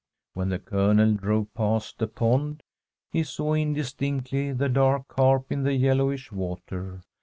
When the Colonel drove past the pond, he saw indistinctly the dark carp in the yellowish water.